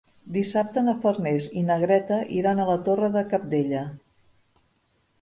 Dissabte na Farners i na Greta iran a la Torre de Cabdella.